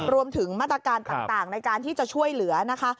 รวมถึงมาตรการต่างในการที่จะช่วยเหลือนะคะ